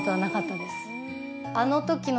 あの時の。